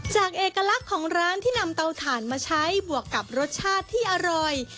เอกลักษณ์ของร้านที่นำเตาถ่านมาใช้บวกกับรสชาติที่อร่อย